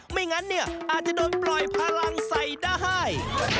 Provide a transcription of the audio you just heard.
ไม่งั้นเนี่ยอาจจะโดนปล่อยพลังใส่ได้